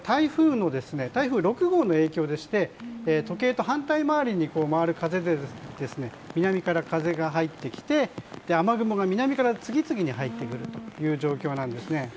台風６号の影響でして時計と反対周りに回る風で南から風が入ってきて雨雲が南から次々に入ってくるという状況なんですね。